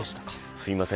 すみません。